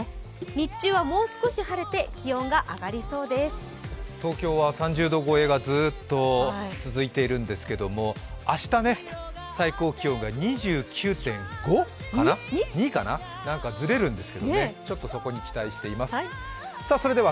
日中はもう少し晴れて東京は３０度超えがずっと続いているんですけれども明日、最高気温が２９．５かな、２かな、なんかずれるんですけどちょっとそこに期待しています。